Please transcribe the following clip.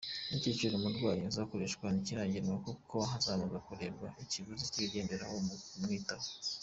Igiciro ku murwayi izakoreshwaho ntikiragenwa, kuko hazabanza kurebwa ikiguzi cy’ibiyigendaho mu kumwitaho.